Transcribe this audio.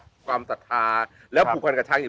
ชื่องนี้ชื่องนี้ชื่องนี้ชื่องนี้ชื่องนี้